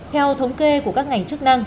theo thống kê của các ngành chức năng